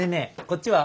こっちは？